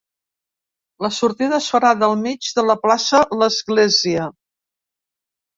La sortida és farà del mig de la plaça l’església.